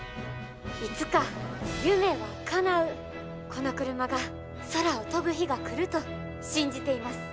「いつか夢はかなうこのクルマが空を飛ぶ日が来ると信じています。